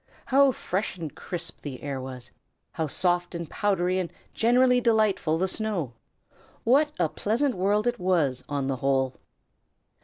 How fresh and crisp the air was! how soft and powdery and generally delightful the snow! What a pleasant world it was, on the whole!